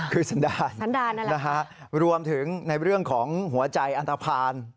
คือสันดานรวมถึงในเรื่องของหัวใจอันตราพาร